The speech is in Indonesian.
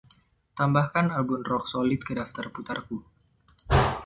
Tambahkan album Rock Solid ke daftar putarku